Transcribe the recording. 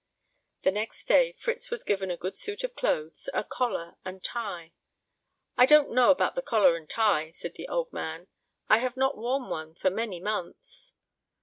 The next day Fritz was given a good suit of clothes, a collar and tie. "I don't know about the collar and tie," said the old man; "I have not worn one for many months."